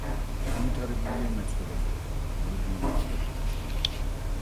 განვითარებულია მეცხოველეობა, მეურნეობა და ტურიზმი.